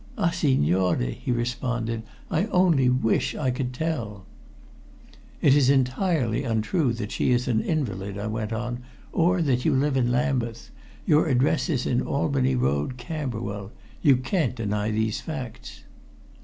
"Ah, signore!" he responded, "I only wish I could tell." "It is untrue that she is an invalid," I went on, "or that you live in Lambeth. Your address is in Albany Road, Camberwell. You can't deny these facts."